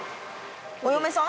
お嫁さん？